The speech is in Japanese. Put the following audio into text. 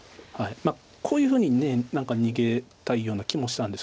まあこういうふうに何か逃げたいような気もしたんですけど。